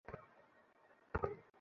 Sir, courier.